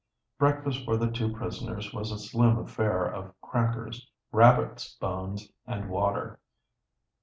Breakfast for the two prisoners was a slim affair of crackers, rabbits' bones, and water.